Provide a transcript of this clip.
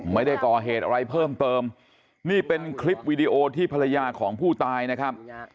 ไม่ได้ก่อเหตุอะไรเพิ่มเติมนี่เป็นคลิปวีดีโอที่ภรรยาของผู้ตายนะครับ